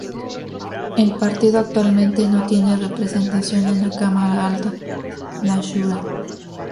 El partido actualmente no tiene representación en la cámara alta, la Shura.